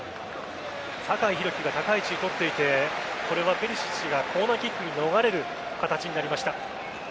酒井宏樹が高い位置を取っていてこれはペリシッチがコーナーキックに逃れる形になりました。